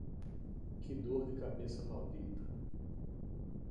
Que dor de cabeça maldita.